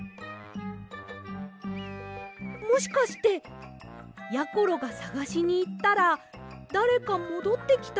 もしかしてやころがさがしにいったらだれかもどってきたりしませんよね？